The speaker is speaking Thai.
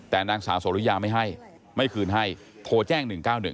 แต่นางสาวสริยาไม่ให้ไม่คืนให้โทรแจ้ง๑๙๑